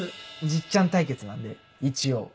じっちゃん対決なんで一応。